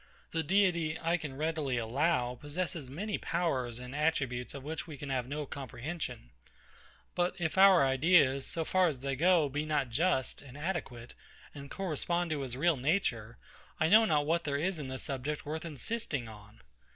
The Deity, I can readily allow, possesses many powers and attributes of which we can have no comprehension: But if our ideas, so far as they go, be not just, and adequate, and correspondent to his real nature, I know not what there is in this subject worth insisting on.